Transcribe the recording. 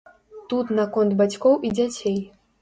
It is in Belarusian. Тут наконт бацькоў і дзяцей.